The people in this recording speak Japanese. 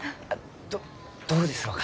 どどうですろうか？